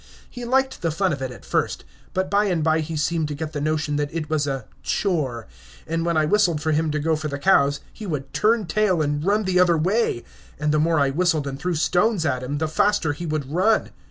He liked the fun of it at first, but by and by he seemed to get the notion that it was a "chore," and when I whistled for him to go for the cows, he would turn tail and run the other way, and the more I whistled and threw stones at him, the faster he would run.